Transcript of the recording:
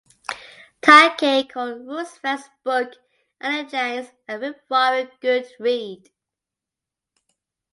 Takei called Roosevelt's book "Allegiance," "A rip-roaring good read.